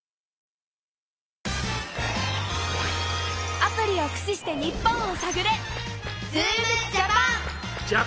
アプリをく使して日本をさぐれ！